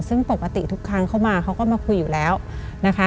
ซึ่งปกติทุกครั้งเขามาเขาก็มาคุยอยู่แล้วนะคะ